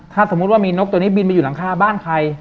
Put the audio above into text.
ถ้าสมมุติว่ามีนกตัวนี้บินไปอยู่หลังคาบ้านใคร